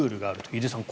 井手さん